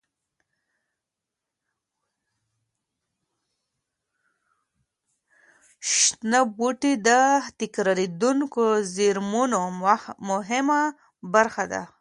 شنه بوټي د تکرارېدونکو زېرمونو مهمه برخه ده.